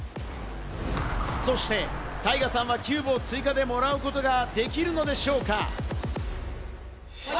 そしてタイガさんはキューブを追加でもらうことができるのでしょうか？